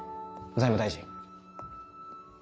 財務大臣。